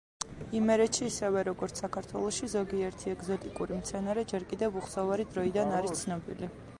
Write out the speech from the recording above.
იმერეთში ისევე როგორც საქართველოში, ზოგიერთი ეგზოტიკური მცენარე ჯერ კიდევ უხსოვარი დროიდან არის ცნობილი.